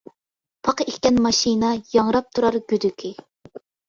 پاقا ئىكەن ماشىنا، ياڭراپ تۇرار گۈدۈكى.